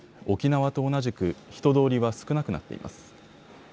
沖縄と同じく、人通りは少なくなっています。